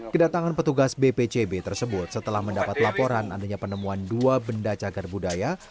kedatangan petugas bpcb tersebut setelah mendapat laporan adanya penemuan dua benda cagar budaya